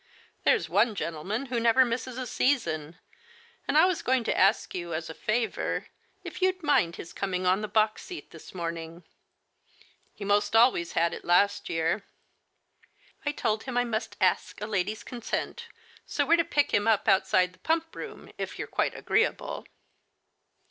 " There's one gentleman who never misses a season, and I was going to ask you, as a favor, if you'd mind his coming on the box seat this morning? He 'most always had it last year. I told him I must ask a lady's consent, so we're to pick him up outside the Pump room if you're quite agreeable."